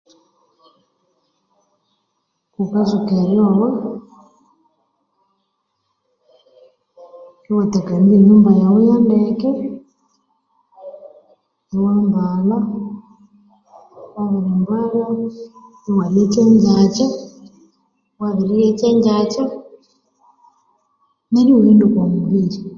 Ghukatsuka eryogha iwa takanizia enyumba yaghu ya ndeke iwa mbalha wabirimbalha iwalya ekyengyakya wabirirya ekyengyakya neryo iwaghenda oko mubiri